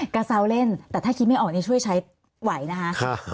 เซาเล่นแต่ถ้าคิดไม่ออกนี่ช่วยใช้ไหวนะคะ